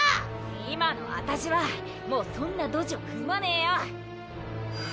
今のアタシはもうそんなドジは踏まねえよ！